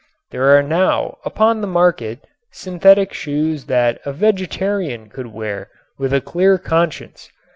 There are now upon the market synthetic shoes that a vegetarian could wear with a clear conscience.